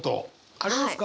ありますか？